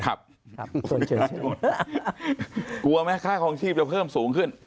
กลัวไหมคะของชีพจะเพิ่มสูงขึ้น